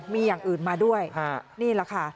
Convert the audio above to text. มีอย่างอื่นมาด้วยนี่แหละค่ะ